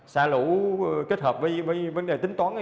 xả lũ kết hợp với vấn đề tính toán